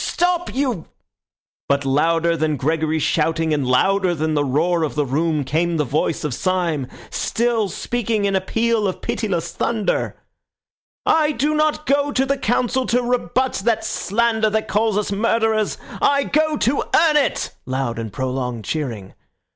"Stop, you—" But louder than Gregory's shouting and louder than the roar of the room came the voice of Syme, still speaking in a peal of pitiless thunder— "I do not go to the Council to rebut that slander that calls us murderers; I go to earn it (loud and prolonged cheering).